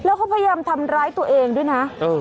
แล้วเขาพยายามทำร้ายตัวเองด้วยนะ